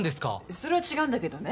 それは違うんだけどね。